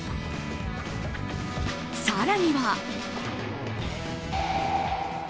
更には。